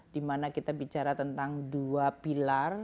di mana kita bicara tentang dua pilar